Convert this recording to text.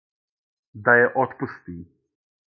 Да је отпусти.